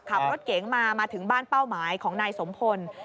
ขับรถเก๋งมามาถึงบ้านเป้าหมายของนายสมพล